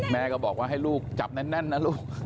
แม่ก็บอกว่าให้ลูกจับแน่นนะลูก